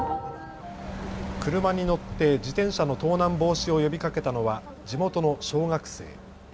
車に乗って自転車の盗難防止を呼びかけたのは地元の小学生。